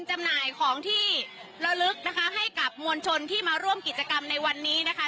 จำหน่ายของที่ระลึกนะคะให้กับมวลชนที่มาร่วมกิจกรรมในวันนี้นะคะ